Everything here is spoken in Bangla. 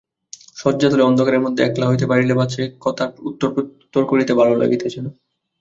শয্যাতলে অন্ধকারের মধ্যে একলা হইতে পারিলে বাঁচে, কথার উত্তরপ্রত্যুত্তর করিতে ভালো লাগিতেছে না।